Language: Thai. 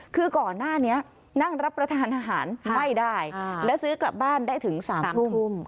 คือก่อนหน้านี้นั่งรับประทานอาหารไม่ได้และซื้อกลับบ้านได้ถึง๓ทุ่ม